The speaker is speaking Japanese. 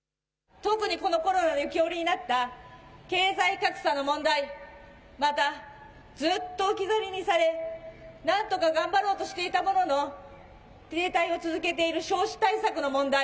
特に、このコロナで浮き彫りになった経済格差の問題、また、ずっと置き去りにされ、なんとか頑張ろうとしていたものの、停滞を続けている少子対策の問題。